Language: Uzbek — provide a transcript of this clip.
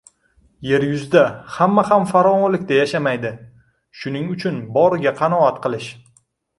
Yer yuzida hamma ham farovonlikda yashamaydi, shuning uchun boriga qanoat qilish.